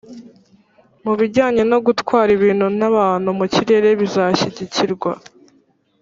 mu bijyanye no gutwara ibintu n'abantu mu kirere bizashyigikirwa.